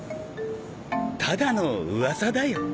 ただの噂だよ。